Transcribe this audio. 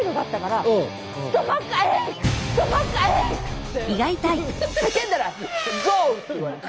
って叫んだら「Ｇｏ！」って言われた。